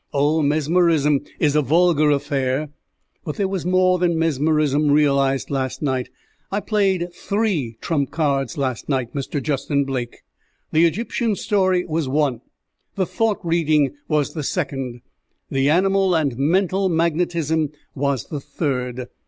Oh, mesmerism is a vulgar affair; but there was more than mesmerism realized last night. I played three trump cards last night, Mr. Justin Blake. The Egyptian story was one, the thought reading was the second, the animal and mental magnetism was the third.